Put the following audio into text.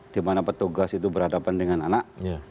di mana petugas itu berhadapan dengan anak